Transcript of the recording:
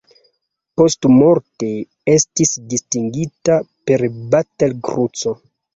Postmorte estis distingita per Batal-Kruco.